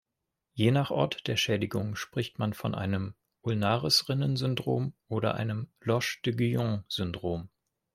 Je nach Ort der Schädigung spricht man von einem Ulnarisrinnen-Syndrom oder einem Loge-de-Guyon-Syndrom.